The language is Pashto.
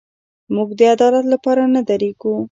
موږ د عدالت لپاره نه درېږو.